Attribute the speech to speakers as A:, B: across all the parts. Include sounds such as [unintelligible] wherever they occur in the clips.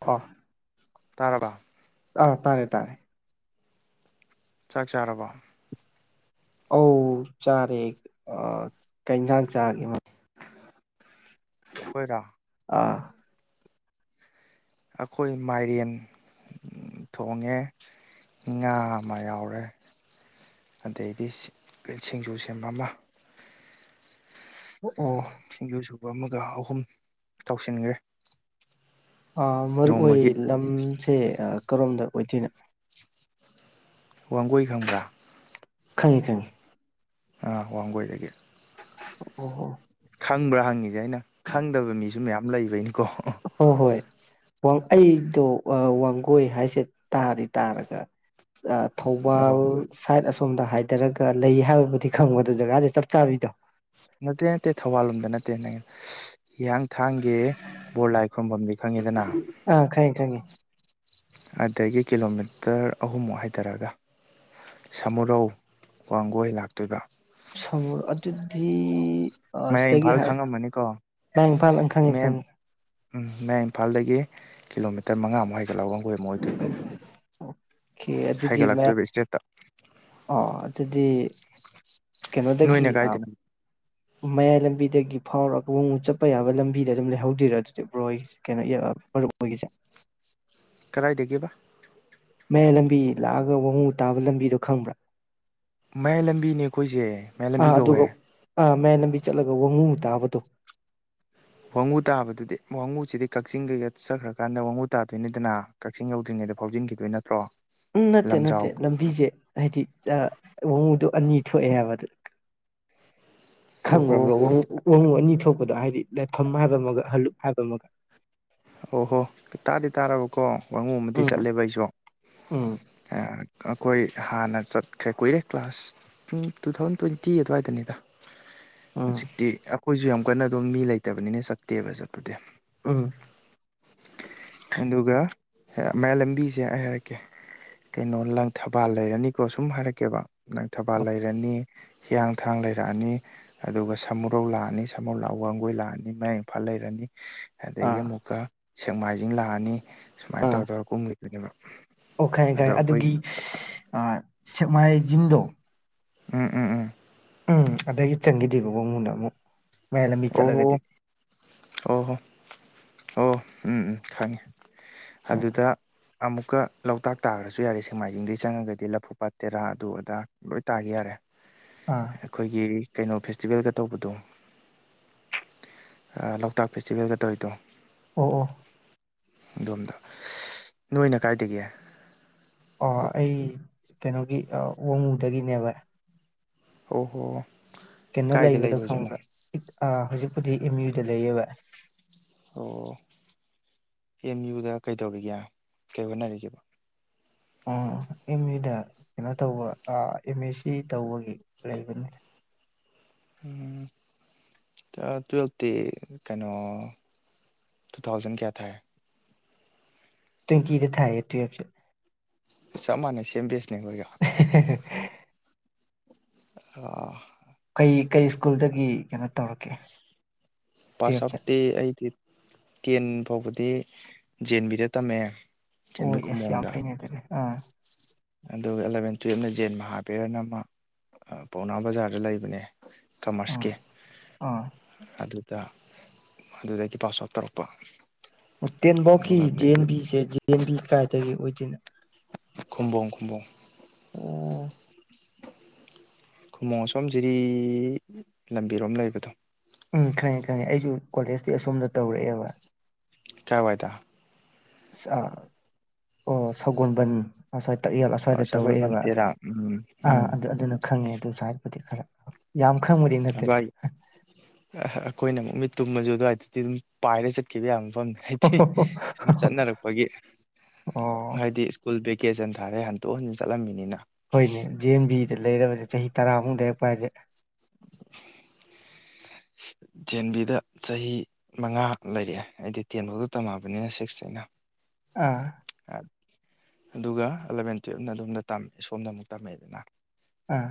A: ꯑꯥ
B: ꯇꯥꯔꯥꯕꯥ
A: ꯑꯥ ꯇꯥꯔꯦ ꯇꯥꯔꯦ
B: ꯆꯥꯛ ꯆꯥꯔꯕ
A: ꯑꯧ ꯆꯥꯔꯦ ꯑꯥ ꯀꯩ ꯖꯥꯡ ꯆꯥꯒꯦ ꯃ [unintelligible]
B: ꯑꯈꯣꯏꯔꯣ ꯑꯈꯣꯏ ꯃꯥꯏꯔꯦꯟ ꯊꯣꯡꯉꯦ ꯉꯥ ꯃꯥ ꯌꯥꯎꯔꯦ ꯑꯗꯩꯗꯤ ꯁꯤ ꯁꯤꯡꯖꯨ ꯁꯦꯝꯕ ꯃꯥ
A: ꯑꯣ
B: ꯁꯤꯡꯖꯨ ꯁꯨꯕ ꯑꯃꯒ ꯑꯍꯨꯝ ꯇꯧꯁꯟꯒ꯭ꯔꯦ
A: ꯑꯥ ꯃꯔꯨꯞꯍꯣꯏ ꯂꯝꯁꯦ ꯑꯥ ꯀꯔꯣꯝꯗ ꯑꯣꯏꯗꯨꯏꯅꯣ
B: ꯋꯥꯡꯒꯣꯏ ꯈꯪꯕ꯭ꯔꯥ
A: ꯈꯪꯉꯦ ꯈꯪꯉꯦ
B: ꯑꯥ ꯋꯥꯡꯒꯣꯏꯗꯒꯤ
A: [unintelligible]
B: ꯈꯪꯕ꯭ꯔꯥ ꯍꯪꯉꯤꯁꯦ ꯑꯩꯅ ꯈꯪꯗꯕ ꯃꯤꯁꯨ ꯃꯌꯥꯝ ꯂꯩꯕꯩꯅꯤꯀꯣ
A: ꯍꯣ ꯍꯣꯏ ꯋꯥ ꯑꯩꯗꯣ ꯋꯥꯡꯒꯣꯏ ꯍꯥꯏꯁꯦ ꯇꯥꯗꯤ ꯇꯥꯔꯒ ꯑ
B: ꯍꯣꯏ ꯍꯣꯏ
A: ꯊꯧꯕꯥꯜ ꯁꯥꯏꯠ ꯑꯁꯣꯝꯗ ꯍꯥꯏꯊꯔꯒ ꯂꯩ ꯍꯥꯏꯕꯕꯨꯗꯤ ꯈꯪꯕ ꯗꯨ ꯖꯒꯥꯗꯤ ꯆꯞ ꯆꯥꯕꯤꯗꯣ
B: ꯇꯦꯅꯩ [unintelligible] ꯍꯤꯌꯥꯡꯊꯥꯡꯒꯤ ꯕꯣꯔ ꯂꯥꯏ ꯈꯨꯔꯨꯝꯐꯝꯗꯤ ꯈꯪꯉꯤꯗꯅ
A: ꯑꯥ ꯈꯪꯉꯦ ꯈꯪꯉꯦ
B: ꯑꯗꯒꯤ ꯀꯤꯂꯣꯃꯤꯇꯔ ꯑꯍꯨꯝꯃꯨꯛ ꯍꯥꯏꯗꯔꯒ ꯁꯃꯨꯔꯧ ꯋꯥꯡꯒꯣꯏ ꯂꯥꯛꯇꯣꯏꯕ
A: ꯁꯣꯃꯨꯔ ꯑꯗꯨꯗꯤ ꯑ
B: ꯃꯌꯥꯏ
A: ꯁꯤꯗꯒꯤ
B: ꯏꯝꯐꯥꯜ
A: ꯍꯥꯏ
B: ꯈꯪꯉꯝꯃꯅꯤꯀꯣ
A: ꯃꯌꯥꯡ ꯏꯝꯐꯥꯜ ꯑꯪ ꯈꯪꯉꯤ
B: ꯃꯌꯥꯏ
A: ꯈꯪꯉꯤ
B: ꯎꯝ ꯃꯌꯥꯡ ꯏꯝꯐꯥꯜꯗꯒꯤ ꯀꯤꯂꯣꯃꯤꯇꯔ ꯃꯉꯥꯃꯨꯛ ꯍꯥꯏ ꯒ ꯋꯥꯡꯒꯣꯏ ꯑꯃꯨꯛ ꯑꯣꯏꯗꯣꯏꯕ
A: ꯑꯣꯀꯦ ꯑꯗꯨꯗꯤ ꯃꯌꯥ
B: ꯍꯥꯏꯒꯠꯂꯛꯇꯣꯏꯕ ꯁ꯭ꯇ꯭ꯔꯦꯠꯇ
A: ꯑꯣ ꯑꯗꯨꯗꯤ ꯀꯩꯅꯣꯗꯒꯤ
B: ꯅꯣꯏꯅ
A: ꯑꯥꯝ
B: ꯀꯥꯏꯗꯅꯣ
A: ꯃꯌꯥꯏ ꯂꯝꯕꯤꯗꯒꯤ ꯐꯥꯎꯔꯒ ꯋꯉꯨ ꯆꯠꯄ ꯌꯥꯕ ꯂꯝꯕꯤꯗ ꯑꯗꯨꯝ ꯂꯩꯍꯧꯗꯣꯢꯔꯥ ꯑꯗꯨꯗꯤ ꯕ꯭ꯔꯣ ꯍꯣꯢꯒꯤꯁꯦ ꯀꯩꯅꯣ ꯌꯧꯔꯒ [unintelligible] ꯍꯣꯢꯒꯤꯁꯦ
B: ꯀꯗꯥꯥꯏꯗꯒꯤꯕ
A: ꯃꯌꯥꯏ ꯂꯝꯕꯤ ꯂꯥꯛꯑꯒ ꯋꯥꯡꯍꯨ ꯇꯥꯕ ꯂꯝꯕꯤꯗꯣ ꯈꯪꯕ꯭ꯔꯥ
B: ꯃꯌꯥꯏ ꯂꯝꯕꯤꯅꯦ ꯑꯩꯈꯣꯏꯁꯦ ꯃꯌꯥꯏ ꯂꯝꯕꯤ ꯀꯧꯋꯦ
A: ꯃꯤ ꯆꯠꯂꯒ ꯋꯥꯡꯉꯨ ꯇꯥꯕꯗꯣ
B: ꯋꯥꯉꯨ ꯇꯥꯕꯗꯨꯗꯤ ꯋꯥꯉꯨꯁꯤꯗꯤ ꯀꯛꯆꯤꯡ ꯗꯩꯒ ꯆꯠꯈ꯭ꯔꯀꯥꯟꯗ ꯋꯥꯡꯉꯨ ꯇꯥꯗꯣꯏꯅꯤꯗꯅ ꯀꯛꯆꯤꯡ ꯌꯧꯗ꯭ꯔꯤꯉꯩꯗ ꯗ ꯐꯥꯎꯖꯤꯟꯈꯤꯗꯣꯏ ꯅꯠꯇ꯭ꯔꯣ
A: ꯎꯝ ꯅꯠꯇꯦ ꯅꯠꯇꯦ
B: ꯂꯝꯖꯥꯎ
A: ꯂꯝꯕꯤꯁꯦ ꯍꯥꯏꯗꯤ ꯑ ꯋꯥꯉꯨꯗꯣ ꯑꯅꯤ ꯊꯣꯛꯑꯦ ꯍꯥꯏꯕ ꯑꯗꯨ ꯈꯪꯕ꯭ꯔꯥ
B: ꯑꯣꯍꯣ
A: ꯕ꯭ꯔꯣ ꯋꯥꯉꯨ ꯑꯅꯤ ꯊꯣꯛꯄꯗꯣ ꯍꯥꯏꯗꯤ ꯂꯩꯐꯝ ꯍꯥꯏꯕ ꯑꯃꯒ ꯍꯜꯂꯨꯛ ꯍꯥꯏꯕ ꯑꯃꯒ
B: ꯑꯣ ꯍꯣ ꯇꯥꯗꯤ ꯇꯥꯔꯕꯀꯣ ꯋꯥꯡꯉꯨ ꯑꯃꯗꯤ
A: ꯎꯝ
B: ꯆꯠꯂꯦꯕ ꯑꯩꯁꯨ ꯑ
A: ꯎꯝ
B: ꯑꯩꯈꯣꯏ ꯍꯥꯟꯅ ꯆꯠꯈ꯭ꯔꯦ ꯀꯨꯏꯔꯦ class two two thousand twenty ꯑꯗ꯭ꯋꯥꯏꯗꯅꯤꯗ
A: ꯎꯝ
B: ꯍꯖꯤꯛꯇꯤ ꯑꯩꯈꯣꯏꯁꯨ ꯌꯥꯝ ꯀꯟꯅ ꯑꯗꯨꯝ ꯃꯤ ꯂꯩꯇꯕꯅꯤꯅ ꯆꯠꯇꯦꯕ ꯆꯠꯄꯗꯤ
A: ꯎꯝ
B: ꯑꯗꯨꯒ ꯃꯌꯥꯢ ꯂꯝꯕꯤꯁꯦ ꯑꯩ ꯍꯥꯏꯔꯛꯀꯦ ꯀꯩꯅꯣ ꯂꯪꯊꯕꯥꯜ ꯂꯩꯔꯅꯤꯀꯣ ꯁꯨꯝ ꯍꯥꯏꯔꯛꯀꯦꯕ ꯂꯪꯊꯕꯥꯜ ꯂꯩꯔꯅꯤ ꯍꯤꯌꯥꯡꯊꯥꯡ ꯂꯩꯔꯛꯑꯅꯤ ꯑꯗꯨꯒ ꯁꯃꯨꯔꯧ ꯂꯥꯛꯑꯅꯤ ꯁꯃꯨꯔꯧ ꯂꯥꯛꯡꯒꯣꯏ ꯂꯥꯛꯑꯅꯤ ꯃꯌꯥꯡ ꯏꯝꯐꯥꯜ ꯂꯩꯔꯅꯤ ꯑꯗꯨꯗꯒꯤ
A: ꯑꯥ
B: ꯑꯃꯨꯛꯀ ꯁꯦꯛꯃꯥꯏꯖꯤꯡ ꯂꯥꯛꯑꯅꯤ ꯁꯨꯃꯥꯏꯅ
A: ꯑꯥ
B: ꯇꯧꯔ ꯇꯧꯔ ꯀꯨꯝꯈꯤꯗꯣꯢꯅꯦꯕ ꯑꯗꯣ ꯑꯩꯈꯣꯏ
A: ꯑ ꯁꯦꯛꯃꯥꯏꯖꯤꯡꯗꯣ
B: ꯎꯝ ꯎꯝ ꯎꯝ
A: ꯎꯝ ꯑꯗꯒꯤ ꯆꯪꯈꯤꯗꯣꯢꯕ ꯋꯥꯡꯉꯨꯅ ꯑꯃꯨꯛ ꯃꯌꯥꯏ ꯂꯝꯕꯤ
B: ꯋꯉꯨ
A: ꯆꯠꯂꯒꯗꯤ
B: ꯑꯣ ꯍꯣ ꯑꯣ ꯎꯝ ꯎꯝ ꯈꯪꯉꯦ
A: ꯎꯝ
B: ꯑꯗꯨꯗ ꯑꯃꯨꯛꯀ ꯂꯣꯛꯇꯥꯛ ꯇꯥꯔꯁꯨ ꯌꯥꯏꯌꯦ ꯁꯦꯛꯃꯥꯏꯖꯤꯡꯗꯒꯤ ꯆꯪꯉꯒꯗꯤ ꯂꯐꯨꯄꯥꯠ ꯇꯦꯔꯥ ꯑꯗꯨ ꯑꯗꯥ ꯂꯣꯏ ꯇꯥꯈꯤ ꯌꯥꯔꯦ
A: ꯑꯥ
B: ꯑꯩꯈꯣꯏꯒꯤ ꯀꯩꯅꯣ ꯐꯦꯁꯇꯤꯚꯦꯜꯒ ꯇꯧꯕꯗꯣ ꯑ ꯂꯣꯛꯇꯥꯛ ꯐꯦꯁꯇꯤꯚꯦꯜꯒ ꯇꯧꯔꯤꯗꯣ
A: ꯑꯣ ꯑꯣ
B: ꯑꯗꯣꯝꯗ ꯅꯣꯏꯅ ꯀꯥꯏꯗꯒꯤ
A: ꯑꯣ ꯑꯩ ꯀꯩꯅꯣꯒꯤ ꯑ ꯋꯥꯡꯉꯨꯗꯒꯤꯅꯦꯕ
B: ꯑꯣ ꯍꯣ
A: ꯀꯩꯅꯣ
B: ꯀꯥꯏꯗ
A: ꯂꯩꯕꯗꯣ
B: ꯂꯩꯕ ꯍꯧꯖꯤꯛꯅ
A: ꯈꯪꯕ꯭ꯔꯥ ꯍꯧꯖꯤꯛꯄꯨꯗꯤ ꯑꯦꯝ ꯌꯨꯗ ꯂꯩꯌꯦꯕ
B: ꯑꯣ ꯑꯦꯝ ꯌꯨꯗ ꯀꯩꯗꯧꯔꯤꯒꯦ ꯀꯩ ꯍꯣꯠꯅꯔꯤꯒꯦꯕ
A: ꯑꯣ ꯑꯦꯝ ꯌꯨꯗ ꯀꯩꯅꯣ ꯇꯧꯕ ꯑꯦꯝ ꯑꯦ ꯁꯤ ꯇꯧꯕꯒꯤ ꯂꯩꯕꯅꯤ [inaudible]
B: ꯎꯝ ꯇꯨꯋꯦꯜꯞꯇꯤ ꯀꯩꯅꯣ ꯇꯨ ꯊꯥꯎꯖꯟ ꯀꯌꯥ ꯊꯥꯏ
A: ꯇ꯭ꯋꯦꯟꯇꯤꯗ ꯊꯥꯏꯌꯦ ꯇꯨꯋꯦꯜꯞ ꯁꯨ
B: ꯆꯞ ꯃꯥꯟꯅꯩ ꯁꯦꯝ ꯕꯦꯁꯅꯦ ꯑꯩꯈꯣꯏꯒ ꯑ
A: ꯀꯩ ꯀꯩ ꯁ꯭ꯀꯨꯜꯗꯒꯤ ꯀꯩꯅꯣ ꯇꯧꯔꯛꯀꯦ
B: ꯄꯥꯁ
A: ꯇꯨꯌꯦꯜꯞꯁꯦ
B: ꯑꯥꯎꯛꯇꯤ ꯑꯩꯗꯤ ꯇꯦꯟ ꯐꯥꯎꯕꯗꯤ ꯖꯦꯟꯕꯤꯗ ꯇꯝꯃꯛꯑꯦ
A: ꯑꯣ
B: ꯖꯦꯟꯕꯤ
A: ꯌꯦꯁ ꯌꯥꯝ
B: ꯈꯨꯃꯣꯡꯗ
A: ꯐꯩꯅꯦ ꯑꯗꯨꯗꯤ ꯑꯥ
B: ꯑꯗꯨꯒ ꯑꯦꯂꯚꯦꯟ ꯇꯨꯌꯦꯜꯞꯅ ꯖꯦꯟ ꯃꯍꯥꯕꯤꯔꯅ ꯑꯃ ꯄꯥꯎꯅꯥ ꯕꯖꯥꯔꯗ ꯂꯩꯕꯅꯦ
A: ꯑꯥ
B: ꯊꯣꯃꯥꯁꯀꯤ
A: ꯑꯥ
B: ꯑꯗꯨ ꯗ ꯑꯗꯨꯗꯒꯤ ꯄꯥꯁ ꯑꯥꯎꯠ ꯇꯧꯔꯛꯄ
A: ꯇꯦꯟꯕꯥꯎꯀꯤ
B: ꯑꯗꯨꯒ
A: G N ꯕꯤꯁꯦ G N B ꯀꯥꯏꯗꯒꯤ ꯑꯣꯏꯗꯣꯏꯅꯣ
B: ꯈꯨꯝꯕꯣꯡ ꯈꯨꯝꯕꯣꯡ
A: ꯑꯣ
B: ꯈꯨꯃꯣꯡ ꯑꯁꯣꯝ ꯖꯤꯔꯤ ꯂꯝꯕꯤꯔꯣꯝ ꯂꯩꯕꯗꯣ
A: ꯎꯝ ꯈꯪꯉꯦ ꯈꯪꯉꯦ ꯑꯩꯁꯨ ꯀꯣꯂꯦꯖꯇꯤ ꯑꯁꯣꯝꯗ ꯇꯧꯔꯛꯑꯦꯕ
B: ꯀꯥꯏꯋꯥꯥꯏꯗ
A: ꯑꯣ ꯁꯧꯒꯟꯕꯟ ꯑꯁꯥꯢ ꯇꯛꯌꯦꯜ ꯑꯁ꯭ꯋꯥꯏꯗ
B: ꯁꯒꯣꯜꯕꯟ
A: ꯇꯧꯔꯛꯑꯦꯕ ꯑꯗꯨ
B: ꯇꯦꯔꯥ ꯎꯝ
A: ꯑꯥ
B: ꯎꯝ
A: ꯑꯗꯨ ꯑꯗꯨꯅ ꯈꯪꯉꯦ ꯑꯗꯨ ꯁꯥꯢꯗꯄꯨꯗꯤ ꯈꯔ ꯌꯥꯝ ꯈꯪꯕꯗꯤ ꯅꯠꯇꯦꯗ
B: ꯑꯗ꯭ꯋꯥꯏ ꯑꯩꯈꯣꯏꯅ ꯑꯃꯨꯛ ꯃꯤꯠ ꯇꯨꯝꯕꯁꯨ ꯑꯗꯨꯋꯥꯏꯗꯗꯤ ꯑꯗꯨꯝ ꯄꯥꯏꯔꯒ ꯆꯠꯈꯤꯕ ꯌꯥꯝ ꯃꯐꯝꯅꯦ ꯍꯥꯏꯗꯤ ꯁꯨꯝ ꯆꯠꯅꯔꯛꯄꯒꯤ
A: ꯑꯣ
B: ꯍꯥꯏꯗꯤ ꯁ꯭ꯀꯨꯜ ꯕꯦꯛ ꯀꯦꯖꯟ ꯊꯥꯔꯦ ꯍꯟꯇꯣꯛ ꯍꯟꯖꯤꯟ ꯆꯠꯂꯝꯃꯤꯅꯤꯅ
A: ꯍꯣꯏꯅꯦ ꯖꯤ ꯑꯦꯝ ꯕꯤꯗ ꯂꯩꯔꯕꯁꯦ ꯆꯍꯤ ꯇꯔꯥꯃꯨꯛ ꯂꯩꯔꯛꯄ ꯍꯥꯏꯗꯤꯦ
B: [inaudible] ꯖꯦꯟꯕꯤꯗ ꯆꯍꯤ ꯃꯉꯥ ꯂꯩꯔꯛꯑꯦ ꯑꯩꯗꯤ ꯇꯦꯟꯐꯥꯎꯗ ꯇꯝꯃꯑꯕꯅꯤꯅ ꯁꯤꯛꯁꯇꯩꯅ
A: ꯑꯥ
B: ꯑꯗꯨꯒ ꯑꯦꯂꯚꯦꯟ ꯇꯨꯌꯦꯜꯞꯅ ꯑꯗꯣꯝꯗ ꯁꯣꯝꯗ ꯑꯃꯨꯛ ꯇꯝꯃꯛꯑꯦꯗꯅ
A: ꯑꯥ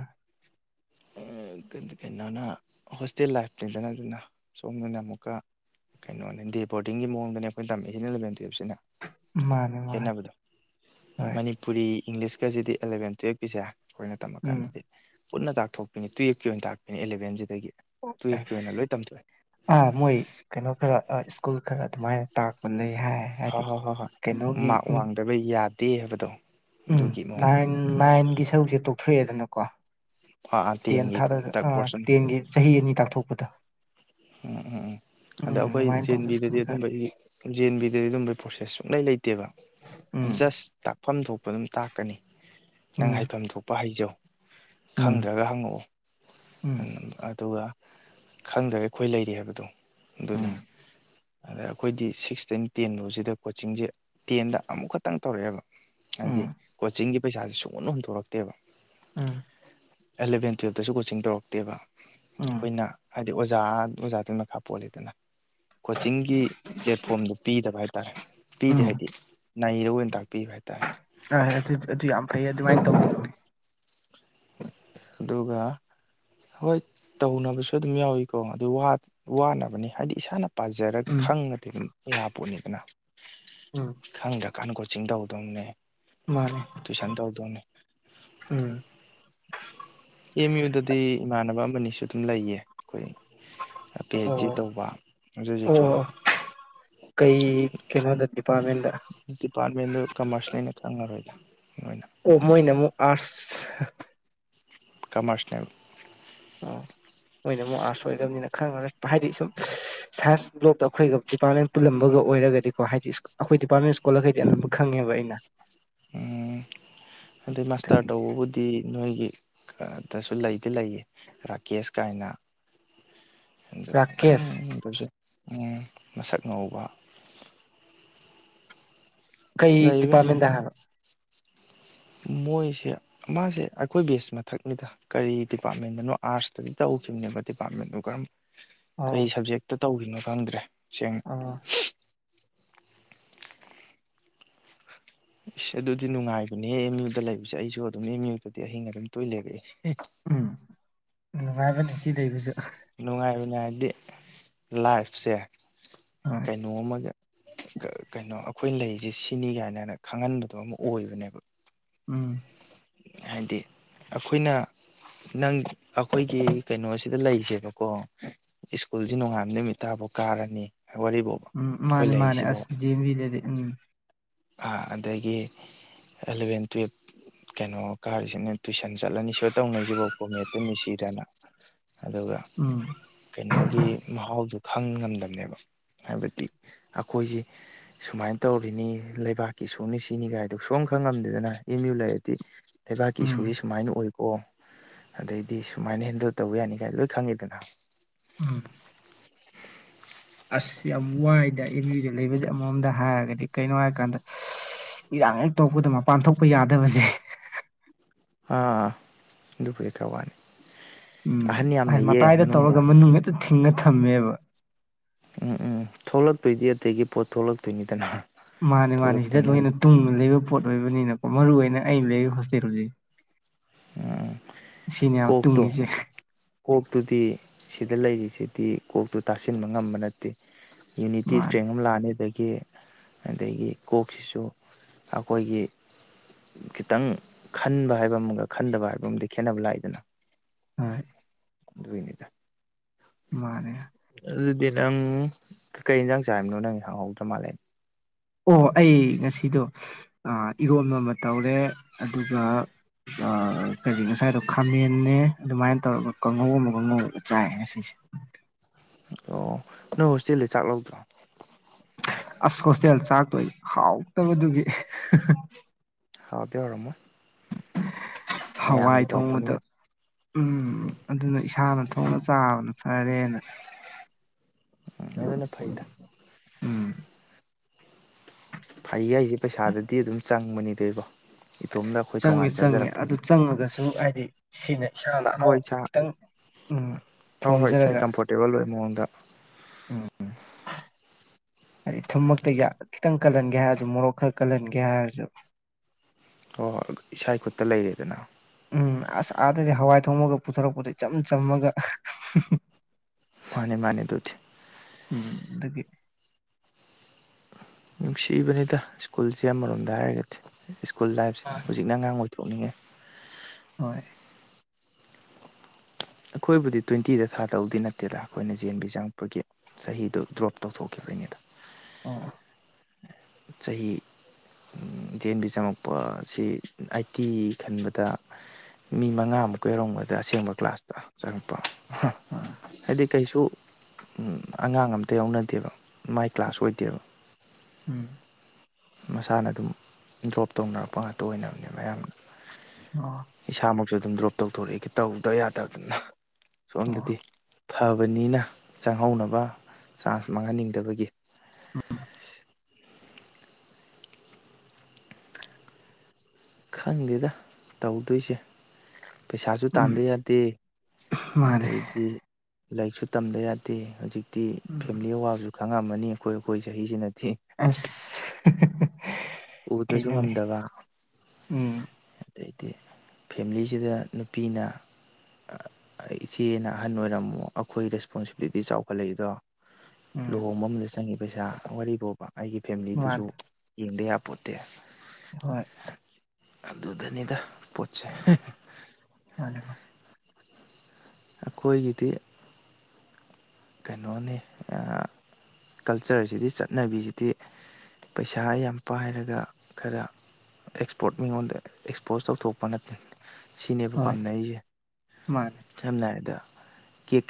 B: ꯀꯩꯅꯣꯅ ꯍꯣꯁꯇꯦꯜ ꯂꯥꯏꯐꯅꯤꯗꯅ ꯑꯗꯨꯅ ꯁꯣꯝꯗꯅ ꯑꯃꯨꯛꯀ ꯀꯩꯅꯣꯅꯦ ꯗꯦ ꯕꯣꯔꯗꯤꯡꯒꯤ ꯃꯑꯣꯡꯗꯅꯦ ꯑꯩꯈꯣꯏ ꯇꯝꯃꯛꯏꯁꯦ ꯑꯦꯂꯚꯦꯟ ꯇꯨꯌꯦꯜꯞ ꯁꯤꯅ
A: ꯃꯥꯅꯦ ꯃꯥꯅꯦ
B: ꯈꯦꯅꯕꯗꯣ
A: ꯍꯣꯏ
B: ꯃꯅꯤꯄꯨꯔꯤ ꯏꯪꯂꯤꯁꯀꯁꯤꯗꯤ ꯑꯦꯂꯕꯦꯟ ꯇꯨꯌꯦꯜꯞꯀꯤꯁꯦ ꯑꯩꯈꯣꯏꯅ ꯇꯝꯃ
A: ꯎꯝ
B: ꯀꯥꯟꯗꯗꯤ ꯄꯨꯟꯅ ꯇꯥꯛ ꯊꯣꯛꯄꯤꯅꯦ ꯇꯨꯌꯦꯜꯞꯀꯤ ꯑꯣꯏꯅ ꯇꯥꯛꯄꯤꯅꯦ ꯑꯦꯂꯕꯦꯟꯁꯤꯗ
A: ꯑꯁ ꯑꯥ ꯃꯣꯏ ꯀꯩꯅꯣ ꯈꯔ ꯁ꯭ꯀꯨꯜ ꯈꯔ ꯑꯗꯨꯃꯥꯏꯅ ꯇꯥꯛꯄꯅꯦ
B: ꯍꯣꯏ ꯍꯣꯏ ꯍꯣꯏ ꯍꯣꯏ ꯃꯥꯛ
A: ꯎꯝ
B: ꯋꯥꯡꯗꯕ ꯌꯥꯗꯦ ꯍꯥꯏꯕꯗꯣ
A: ꯎꯝ
B: ꯑꯗꯨꯒꯤ ꯃꯑꯣꯡꯗ
A: ꯅꯥꯏꯟ ꯅꯥꯏꯟꯒꯤ ꯁꯔꯨꯛꯁꯦ ꯇꯣꯛꯊꯣꯛ ꯑꯦꯗꯅꯀꯣ
B: ꯑꯥ
A: ꯇꯦꯟ
B: ꯇꯦꯟꯒꯤ
A: ꯊꯥꯗ
B: ꯇꯛ
A: ꯑꯥ
B: ꯄꯣꯔꯁꯟ
A: ꯇꯦꯟꯒꯤ ꯆꯍꯤ ꯑꯅꯤ ꯇꯥꯛꯊꯣꯛꯄꯗꯣ
B: ꯎꯝ ꯎꯝ ꯑꯗ
A: ꯎꯝ
B: ꯑꯩꯈꯣꯏ
A: ꯑꯗꯨꯃꯥꯏꯅ
B: ꯖꯦꯑꯦꯟ
A: ꯇꯧꯕ ꯁ꯭ꯀꯨꯜ
B: ꯕꯤꯗꯗꯤ
A: ꯈꯔ
B: ꯑꯗꯨꯝꯕ ꯏ ꯖꯦ ꯑꯦꯟ ꯕꯤꯗꯗꯤ ꯑꯗꯨꯝꯕꯒꯤ ꯄ꯭ꯔꯣꯁꯦꯁ ꯁꯨꯡꯂꯩ ꯂꯩꯇꯦꯕ
A: ꯎꯝ
B: ꯖꯁ ꯇꯥꯛꯐꯝ ꯊꯣꯛꯄ ꯑꯗꯨꯝ ꯇꯥꯛꯀꯅꯤ ꯅꯪ
A: ꯎꯝ
B: ꯍꯩꯐꯝ ꯊꯣꯛꯄ ꯍꯩꯖꯧ
A: ꯎꯝ
B: ꯈꯪꯗ꯭ꯔꯒ ꯍꯪꯉꯛꯑꯣ
A: ꯎꯝ
B: ꯑꯗꯨꯒ ꯈꯪꯗ꯭ꯔꯒ ꯑꯩꯈꯣꯏ ꯂꯩꯔꯤ ꯍꯥꯏꯕꯗꯣ ꯑꯗꯨꯅꯤ
A: ꯎꯝ
B: ꯑꯗ ꯑꯩꯈꯣꯏꯗꯤ ꯁꯤꯛꯁ ꯇꯩ ꯇꯦꯟꯐꯥꯎꯁꯤꯗ ꯀꯣꯆꯤꯡꯁꯦ ꯇꯦꯟꯗ ꯑꯃꯨꯛꯈꯛꯇꯪ ꯇꯧꯔꯛꯑꯦꯕ
A: ꯎꯝ
B: ꯍꯥꯏꯗꯤ ꯀꯣꯆꯤꯡꯒꯤ ꯄꯩꯁꯥꯁꯦ ꯁꯨꯡꯍꯨꯟ ꯍꯨꯟꯗꯣꯔꯛꯇꯦꯕ
A: ꯎꯝ
B: ꯑꯦꯂꯚꯦꯟ ꯇꯨꯋꯦꯜꯐꯇꯁꯨ ꯀꯣꯆꯤꯡ ꯇꯧꯔꯛꯇꯦꯕ
A: ꯎꯝ
B: ꯑꯩꯈꯣꯏꯅ ꯍꯥꯏꯗꯤ ꯑꯣꯖꯥ ꯑꯣꯖꯥꯗꯨꯏ ꯃꯈꯥ ꯄꯣꯜꯂꯤꯗꯅ ꯀꯣꯆꯤꯡꯒꯤ ꯄ꯭ꯂꯦꯠꯐꯣꯝꯗꯣ ꯄꯤꯗꯕ ꯍꯥꯏ ꯇꯥꯔꯦ ꯄꯤꯗꯦ
A: ꯎꯝ
B: ꯍꯥꯏꯗꯤ ꯅꯩꯔ ꯑꯣꯏꯅ ꯇꯥꯛꯄꯤꯕ ꯍꯥꯏ ꯇꯔꯦ
A: ꯅꯪ ꯍꯥꯏꯔꯛꯇꯨꯏ ꯑꯗꯨ ꯌꯥꯝ ꯐꯩꯌꯦ ꯑꯗꯨꯃꯥꯏꯅ ꯇꯧꯗꯧꯅꯦ
B: ꯑꯗꯨꯒ ꯍꯣꯏ ꯇꯧꯅꯕꯁꯨ ꯑꯗꯨꯝ ꯌꯥꯎꯏꯀꯣ ꯑꯗꯨ ꯋꯥꯅꯕꯅꯤ ꯍꯥꯏꯗꯤ ꯏꯁꯥꯅ ꯄꯥꯖꯔꯒ
A: ꯎꯝ
B: ꯈꯪꯉꯗꯤ ꯑꯗꯨꯝ ꯌꯥꯄꯣꯠꯅꯤꯗꯅ
A: [inaudible]
B: ꯈꯪꯗ꯭ꯔ ꯀꯥꯟꯗ ꯀꯣꯆꯤꯡ ꯇꯧꯗꯧꯅꯦ
A: ꯃꯥꯅꯦ
B: ꯇꯨꯏꯁꯟ ꯇꯧꯗꯧꯅꯦ
A: ꯎꯝ
B: ꯑꯦꯝ ꯌꯨꯗꯗꯤ ꯏꯃꯥꯟꯅꯕ ꯑꯃꯅꯤꯁꯨ ꯑꯗꯨꯝ ꯂꯩꯌꯦ ꯑꯩꯈꯣꯏ ꯄꯤ
A: ꯑꯣ
B: ꯑꯩꯆ ꯗꯤ
A: ꯑꯣ
B: ꯇꯧꯕ ꯍꯧꯖꯤꯛ ꯍꯧꯖꯤꯛꯁꯨ
A: ꯑꯣ ꯀꯩ
B: ꯈꯪ
A: ꯀꯩꯅꯣꯗ ꯗꯤꯄꯥꯔꯠꯃꯦꯟꯗ
B: ꯗꯤꯄꯥ꯭ꯔꯠꯃꯦꯟ ꯗ ꯀꯃ꯭ꯔꯁ ꯂꯩꯅ ꯆꯪꯉꯔꯣꯏꯗ
A: ꯑꯣ ꯃꯣꯏꯅꯃꯨꯛ ꯑꯥ꯭ꯔꯠꯁ
B: ꯀꯃ꯭ꯔꯁꯅꯦ
A: ꯑꯥ ꯃꯣꯏꯅꯄꯨꯛ ꯑꯥ꯭ꯔꯠꯁ ꯑꯣꯏꯗꯕꯅꯤꯅ ꯈꯪꯉꯔꯣꯏ ꯍꯥꯏꯗꯤ ꯁꯨꯝ ꯁꯥꯏꯟꯁ ꯕ꯭ꯂꯣꯛꯇ ꯑꯩꯈꯣꯏꯒ ꯗꯤꯄꯥ꯭ꯔꯠꯃꯦꯟ ꯄꯨꯜꯂꯝꯕꯒ ꯑꯣꯏꯔꯒꯗꯤꯀꯣ ꯍꯥꯏꯗꯤ ꯑꯩꯈꯣꯏ ꯗꯤꯄꯥꯔꯠꯃꯦꯟ ꯏꯁꯀꯣꯜꯂ꯭ꯔ ꯒꯩꯗꯤ ꯑꯅꯝꯕ ꯈꯪꯉꯦ ꯉꯦꯕ ꯑꯩꯅ
B: ꯎꯝ ꯑꯗꯩ ꯃꯁꯇ꯭ꯔ
A: ꯑꯗꯨꯒꯤ
B: ꯇꯧꯕꯕꯨꯗꯤ ꯅꯣꯏꯒꯤ ꯑꯗꯁꯨ ꯂꯩꯗꯤ ꯂꯩꯌꯦ ꯔꯥꯀꯦꯁ ꯀꯥꯏꯅ
A: [inaudible]
B: ꯑꯗꯣ
A: ꯔꯥꯀꯦꯁ
B: ꯈꯪꯗ꯭ꯔꯁꯨ ꯎꯝ ꯃꯁꯛ ꯉꯧꯕ
A: ꯀꯩ
B: ꯂꯩꯕꯅꯤ
A: ꯗꯤꯄꯥ꯭ꯔꯠꯃꯦꯟꯗ ꯍꯥꯏꯕ
B: ꯃꯣꯏꯁꯦ ꯃꯥꯁꯦ ꯑꯩꯈꯣꯏ ꯕꯦꯁ ꯃꯊꯛꯅꯤꯗ ꯀꯔꯤ ꯗꯤꯄꯥ꯭ꯔꯠꯃꯦꯟꯗꯅꯣ ꯑꯥ꯭ꯔꯠꯁꯇꯒꯤ ꯇꯧꯋꯦ ꯨꯁꯤꯡꯅꯦꯕ ꯗꯤꯄꯥ꯭ꯔꯠꯃꯦꯟꯗꯨ ꯀꯔꯝ ꯀꯩ ꯁꯕꯖꯦꯛꯇ ꯇꯧꯔꯤꯅꯣ ꯈꯪꯗ꯭ꯔꯦ ꯁꯦꯡꯅ
A: ꯑ
B: ꯏꯁ ꯑꯗꯨꯗꯤ ꯅꯨꯡꯉꯥꯏꯕꯅꯦ ꯑꯦꯝ ꯌꯨꯗ ꯂꯩꯕꯁꯦ ꯑꯩꯁꯨ ꯑꯗꯨꯝ ꯑꯦꯝ ꯌꯨꯗꯗꯤ ꯑꯍꯤꯡ ꯑꯗꯨꯝ ꯇꯣꯏ ꯂꯦꯛꯂꯛꯑꯦ
A: ꯎꯝ ꯅꯨꯡꯉꯥꯏꯕꯅꯤ ꯁꯤꯗꯩꯕꯨꯁꯨ
B: ꯅꯨꯡꯉꯥꯏꯕꯅꯦ ꯍꯥꯏꯗꯤ ꯂꯥꯏꯐꯁꯦ
A: ꯍꯣꯏ
B: ꯀꯩꯅꯣ ꯑꯃꯒ ꯒ ꯀꯩꯅꯣ ꯑꯝ ꯑꯩꯈꯣꯏ ꯂꯩꯔꯤꯁꯦ ꯁꯤꯅꯤ ꯀꯥꯏꯅ ꯈꯪꯍꯟꯕꯗꯣ ꯑꯃ ꯑꯣꯏꯕꯅꯦꯕ
A: ꯎꯝ
B: ꯍꯥꯏꯗꯤ ꯑꯩꯈꯣꯏꯅ ꯅꯪ ꯑꯩꯈꯣꯏꯒꯤ ꯀꯩꯅꯣꯁꯤꯗ ꯂꯩꯁꯦꯕꯀꯣ ꯁ꯭ꯀꯨꯜꯁꯤ ꯅꯣꯡꯉꯥꯟꯕ ꯅꯨꯃꯤꯠ ꯇꯥꯕꯨ ꯀꯥꯔꯅꯤ ꯋꯥꯔꯤꯐꯥꯎꯕ
A: ꯎꯝ
B: ꯑꯩꯈꯣꯏ
A: ꯃꯥꯅꯦ ꯃꯥꯅꯦ ꯑꯁ ꯖꯦꯑꯦꯟꯕꯤ ꯗꯗꯤ ꯎꯝ
B: ꯑꯥ ꯑꯗꯒꯤ ꯑꯦꯂꯚꯦꯟ ꯇꯨꯋꯦꯜꯐ ꯀꯩꯅꯣ ꯀꯥꯔꯤꯁꯤꯅ ꯇꯨꯏꯁꯟ ꯆꯠꯂꯅꯤ ꯁꯤꯗ ꯇꯧꯅꯩꯁꯤꯕꯣꯕ ꯀꯣ ꯃꯦꯠꯇ ꯅꯨꯡꯁꯤꯗꯅ ꯑꯗꯨꯒ
A: ꯎꯝ
B: ꯀꯩꯅꯣꯒꯤ ꯃꯍꯥꯎꯗꯨ ꯈꯪ ꯉꯝꯗꯝꯕꯅꯦꯕ ꯍꯥꯏꯕꯗꯤ ꯑꯩꯈꯣꯏꯁ ꯁꯨꯃꯥꯏꯅ ꯇꯧꯔꯤꯅꯤ ꯂꯩꯕꯥꯛꯀꯤ ꯏꯁꯨꯅ ꯁꯤꯅꯤ ꯀꯥꯏꯗꯣ ꯁꯨꯈꯪ ꯈꯪꯉꯝꯗꯦꯗꯅ ꯑꯦꯝ ꯌꯨ ꯂꯩꯔꯗꯤ ꯂꯩꯕꯥꯛꯀꯤ
A: ꯎꯝ
B: ꯏꯁꯨꯒꯤ ꯁꯨꯃꯥꯏꯅ ꯑꯣꯏ ꯑꯣ ꯑꯗꯩꯗꯤ ꯁꯨꯃꯥꯏꯅ ꯍꯦꯟꯗꯜ ꯇꯧꯕ ꯌꯥꯅꯤ ꯀꯥꯏꯅ ꯂꯣꯏ ꯈꯪꯉꯦꯗꯅ
A: ꯎꯝ ꯑꯁ ꯌꯥꯝ ꯋꯥꯏꯗ ꯑꯦꯝ ꯌꯨꯗ ꯂꯩꯕꯁꯦ ꯑꯃꯃꯝꯗ ꯍꯥꯏꯔꯒꯗꯤ ꯀꯩꯅꯣ ꯍꯥꯏꯀꯥꯟꯗ ꯏꯔꯥꯡ ꯍꯦꯛ ꯊꯣꯛꯄꯗ ꯃꯄꯥꯟ ꯊꯣꯛꯄ ꯌꯥꯗꯕꯁꯦ
B: ꯑꯥ ꯗꯨꯕꯨꯗꯤ ꯈꯔ ꯋꯥꯅꯤ ꯑꯍꯟ ꯌꯥꯝ
A: ꯑꯩ
B: ꯂꯩꯌꯦ
A: ꯃꯇꯥꯏꯗ
B: ꯃꯅꯨꯡꯗ
A: ꯇꯧꯔꯒ ꯃꯅꯨꯡ ꯍꯦꯛꯇ ꯊꯤꯡꯅ ꯊꯝꯃꯦꯕ
B: ꯎꯝ ꯎꯝ ꯊꯣꯛꯂꯛꯇꯣꯏꯗꯤ ꯑꯗꯨꯗꯒꯤ ꯄꯣꯠ ꯊꯣꯛꯂꯛꯇꯣꯏꯅꯤꯗꯅ
A: ꯃꯥꯅꯦ ꯃꯥꯅꯦ ꯁꯤꯗ
B: ꯊꯣꯛꯂꯛꯇꯣꯏꯅꯦ
A: ꯂꯣꯏꯅ ꯇꯨꯡꯗꯨꯅ ꯂꯩꯕ ꯄꯣꯠ ꯑꯣꯏꯕꯅꯤꯅ ꯃꯔꯨ ꯑꯣꯏꯅ ꯑꯩ ꯂꯩ ꯍꯣꯁꯇꯦꯜꯖꯦ
B: ꯎꯝ ꯀꯣꯛꯇꯣ
A: ꯇꯨꯡꯉꯤꯁꯦ
B: ꯀꯣꯛꯇꯨꯗꯤ ꯁꯤꯗ ꯂꯩꯔꯤꯁꯤ ꯗꯤ ꯀꯣꯛꯇꯣ ꯇꯥꯁꯤꯟꯕ ꯉꯝꯕ ꯅꯠꯇꯦ ꯌꯨꯅꯤꯇꯤ
A: ꯃꯥꯅꯦ
B: ꯏꯁꯇ꯭ꯔꯦꯡ ꯑꯃ ꯂꯥꯛꯑꯅꯤ ꯑꯗꯩ ꯒꯤ ꯑꯗꯒꯤ ꯀꯣꯛꯁꯤꯁꯨ ꯑꯩꯈꯣꯏꯒꯤ ꯈꯤꯇꯪ ꯈꯟꯕ ꯍꯥꯏꯕ ꯑꯃꯒ ꯈꯟꯗꯕ ꯍꯥꯏꯕ ꯑꯃꯗꯤ ꯈꯦꯠꯅꯕ ꯂꯥꯛꯏꯗꯅ
A: ꯑꯝ
B: ꯑꯗꯨꯢꯅꯤꯗ
A: ꯃꯥꯅꯦ
B: ꯅꯪ ꯀꯩ ꯏꯟꯖꯥꯡ ꯆꯥꯔꯕꯅꯣ ꯅꯪ ꯍꯪꯍꯧꯗ꯭ꯔ ꯃꯥꯜꯂꯦ
A: ꯑꯣ ꯑꯩ ꯉꯁꯤꯗꯣ ꯏꯔꯣꯟꯕ ꯑꯃ ꯇꯧꯔꯦ ꯑꯗꯨꯒ ꯑꯑ ꯀꯔꯤ ꯉꯁꯥꯏꯗꯣ ꯈꯥꯃꯦꯟꯅꯦ ꯑꯗꯨꯃꯥꯏꯅ ꯇꯧꯔꯒ ꯀꯥꯡꯉꯧ ꯑꯃꯒ ꯉꯧꯔꯒ ꯆꯥꯏ ꯉꯁꯤꯁꯦ [inaudible]
B: ꯑꯣ ꯅꯣꯏ ꯍꯣꯁꯇꯦꯜꯗꯩ ꯆꯥꯛ ꯂꯧꯗ꯭ꯔꯣ
A: ꯑꯁ ꯍꯣꯁꯇꯦꯜ ꯆꯥꯛꯇꯣ ꯑꯩ ꯍꯥꯎꯇꯕ ꯗꯨꯒꯤ
B: ꯍꯥꯎꯗꯤ ꯍꯥꯎꯔꯝꯃꯣꯏ
A: ꯍꯋꯥꯏ ꯊꯣꯡꯕꯗꯣ
B: ꯇꯧꯔꯛꯄꯅꯤꯅ
A: ꯎꯝ ꯑꯗꯨꯅ ꯏꯁꯥꯅ ꯊꯣꯡꯉ ꯆꯥꯕꯅ ꯐꯔꯦꯅ
B: ꯑꯗꯨꯅ ꯐꯩꯗ
A: ꯎꯝ
B: ꯐꯩꯌꯦ ꯍꯥꯏꯁꯦ ꯄꯩꯁꯥꯗꯗꯤ ꯑꯗꯨꯝ ꯆꯪꯕꯅꯤꯗꯣ ꯏꯕꯣ ꯏꯇꯣꯝꯗ ꯑꯩꯈꯣꯏ
A: ꯆꯪꯉꯦ
B: ꯇꯣꯉꯥꯟ
A: ꯆꯪꯉꯦ ꯑꯗꯨ
B: ꯆꯥꯖꯔꯛꯄꯗꯨꯏ
A: ꯆꯪꯉꯒꯁꯨ ꯍꯥꯏꯗꯤ ꯁꯤꯅ ꯏꯁꯥꯅ
B: ꯍꯣꯏ
A: ꯑꯍꯥꯎꯕꯗꯣ
B: ꯆꯥ
A: ꯈꯤꯇꯪ ꯎꯝ
B: ꯍꯣꯏ ꯍꯣꯏ ꯏꯁꯥꯏ
A: ꯊꯣꯡꯖꯔꯒ
B: ꯀꯝꯐꯣꯔꯇꯦꯕꯜ ꯑꯣꯏꯕ ꯃꯉꯣꯡꯗ
A: ꯎꯝ ꯍꯥꯏꯗꯤ ꯊꯨꯝꯃꯛꯇ ꯈꯤꯇꯪ ꯀꯜꯍꯟꯒꯦ ꯍꯥꯏꯔꯁꯨ ꯃꯣꯔꯣꯛ ꯈꯔ ꯀꯜꯍꯟꯒꯦ ꯍꯥꯏꯔꯁꯨ
B: ꯍꯣꯏ ꯏꯁꯥꯢ ꯈꯨꯠꯇ ꯂꯩꯔꯦꯗꯅ
A: ꯎꯝ ꯑꯁ ꯑꯥꯗꯗꯤ ꯍꯋꯥꯏ ꯊꯣꯡꯉꯒ ꯄꯨꯊꯔꯛꯄꯗꯣ ꯏꯆꯝ ꯆꯝꯃꯒ
B: ꯃꯥꯅꯦ ꯃꯥꯅꯦ ꯑꯗꯨꯗꯤ
A: ꯎꯝ ꯑꯗꯨꯒꯤ
B: ꯅꯨꯡꯁꯤꯕꯅꯤꯗ ꯁ꯭ꯀꯨꯜꯁꯦ ꯑꯃꯔꯣꯝꯗ ꯍꯥꯏꯔꯒꯗꯤ ꯁ꯭ꯀꯨꯜ ꯂꯥꯏꯐꯁꯦ ꯍꯧꯖꯤꯛꯅ ꯑꯉꯥꯡ ꯑꯣꯢ ꯊꯣꯛꯅꯤꯡꯉꯦ
A: ꯍꯣꯏ
B: ꯑꯩꯈꯣꯏꯕꯨꯗꯤ ꯇ꯭ꯋꯦꯟꯇꯤꯗ ꯊꯥꯗꯧꯗꯤ ꯅꯠꯇꯦꯗ ꯑꯩꯈꯣꯏꯅ ꯖꯦ ꯑꯦꯟ ꯕꯤ ꯆꯪꯉꯛꯄꯒꯤ ꯆꯍꯤꯗꯣ ꯗ꯭ꯔꯣꯞ ꯇꯧꯊꯣꯛꯈꯤꯕꯩꯅꯦ
A: ꯑꯣ
B: ꯆꯍꯤ ꯖꯦ ꯑꯦꯟ ꯚꯤ ꯆꯪꯉꯛꯄꯁꯤ ꯑꯩꯏꯠꯀꯤ ꯈꯟꯕꯗ ꯃꯤ ꯃꯉꯥꯃꯨꯛꯀ ꯌꯥꯎꯔꯝꯒꯗ꯭ꯔ ꯑꯁꯦꯡꯕ ꯀ꯭ꯂꯥꯁꯇ ꯆꯪꯉꯛꯄ ꯍꯥ
A: ꯑꯣ
B: ꯍꯥꯏꯗꯤ ꯀꯩꯁꯨ ꯑꯗꯨ ꯑꯉꯥꯡ ꯑꯝꯇ ꯌꯥꯎꯅꯗꯦꯕ ꯃꯥꯏ ꯀ꯭ꯂꯥꯁ ꯑꯣꯏꯗꯦꯕ
A: ꯎꯝ
B: ꯃꯁꯥꯅ ꯑꯗꯨꯝ ꯗ꯭ꯔꯣꯞ ꯇꯧꯅꯔꯛꯄ ꯉꯥꯛꯇ ꯑꯣꯏꯅꯕꯅꯦ ꯑꯌꯥꯝꯕꯅ
A: ꯑꯣ
B: ꯏꯁꯥꯃꯛꯁꯨ ꯑꯗꯨꯝ ꯗ꯭ꯔꯣꯞ ꯇꯧꯊꯣꯔꯛꯑꯦ ꯇꯧꯗꯕ ꯌꯥꯗꯕꯅꯤꯅ ꯁꯣꯝꯗꯗꯤ
A: ꯑꯣ
B: ꯐꯕꯅꯤꯅ ꯆꯪꯍꯧꯅꯕ ꯆꯥꯟꯁ ꯃꯥꯡꯍꯟꯅꯤꯡꯗꯕꯒꯤ
A: ꯎꯝ
B: ꯈꯪꯗꯦꯗ ꯇꯧꯗꯣꯏꯁꯦ ꯄꯩꯁꯥꯁꯨ
A: ꯎꯝ
B: ꯇꯥꯟꯗ ꯌꯥꯗꯦ
A: ꯃꯥꯅꯦ
B: ꯑꯗꯩꯗꯤ ꯂꯥꯏꯔꯤꯛꯁꯨ ꯇꯝꯗ ꯌꯥꯗꯦ ꯍꯧꯖꯤꯛꯇꯤ
A: ꯎꯝ
B: ꯐꯦꯃꯤꯂꯤ ꯑꯋꯥꯕꯁꯨ ꯈꯪꯉꯝꯃꯅꯤ ꯑꯩꯈꯣꯏ ꯑꯩꯈꯣꯏ ꯆꯍꯤꯁꯤꯅ
A: ꯑꯁ
B: ꯎꯗꯁꯨ
A: ꯀꯩꯅꯣꯅꯦ
B: ꯉꯝꯗꯕ
A: ꯎꯝ
B: ꯑꯗꯩꯗꯤ ꯐꯦꯃꯤꯂꯤꯁꯤꯗ ꯅꯨꯄꯤꯅ ꯏꯆꯦꯅ ꯑꯍꯟ ꯑꯣꯏꯔꯝꯃꯦ ꯑꯩꯈꯣꯏ ꯔꯦꯁꯄꯣꯟꯁꯤꯕꯤꯂꯤꯇꯤ ꯆꯥꯎꯈꯠꯂꯛꯏꯗꯣ
A: ꯎꯝ
B: ꯂꯨꯍꯣꯡꯕ ꯑꯃꯗ ꯆꯪꯉꯤ ꯄꯩꯁꯥ ꯋꯥꯔꯤ ꯚꯣꯕ ꯑꯩꯒꯤ ꯐꯦꯃꯤꯂꯤꯗꯨꯁꯨ
A: ꯃꯥꯅꯦ
B: ꯌꯦꯡꯗ ꯌꯥ ꯄꯣꯠꯇꯦ
A: ꯍꯣꯏ
B: ꯑꯗꯨꯗꯅꯤꯗ ꯄꯣꯠꯆꯩ
A: ꯃꯥꯅꯦ ꯃꯥꯅꯦ
B: ꯑꯩꯈꯣꯏꯒꯤꯗꯤ ꯀꯩꯅꯣꯅꯤ ꯀꯜꯆꯔꯁꯤꯗꯤ ꯆꯠꯅꯕꯤꯁꯤꯗꯤ ꯄꯩꯁꯥ ꯌꯥꯝ ꯄꯥꯏꯔꯒ ꯈꯔ ꯑꯦꯛꯁꯄꯣꯔꯠ ꯃꯤꯉꯣꯟꯗ ꯑꯦꯛꯁꯄꯣꯔꯠ ꯇꯧꯊꯣꯛꯄ ꯅꯠꯇꯦ ꯁꯤꯅꯦꯕ
A: ꯍꯣꯏ
B: ꯄꯥꯝꯅꯩꯁꯦ
A: ꯃꯥꯅꯦ
B: ꯁꯝꯅ ꯍꯥꯏꯔꯕꯗ ꯀꯦꯛ